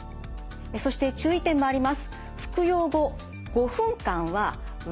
そして注意点もあります。